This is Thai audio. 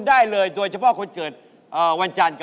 เพราะว่ารายการหาคู่ของเราเป็นรายการแรกนะครับ